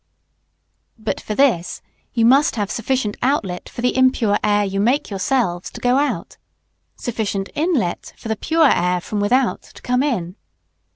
But for this, you must have sufficient outlet for the impure air you make yourselves to go out; sufficient inlet for the pure air from without to come in.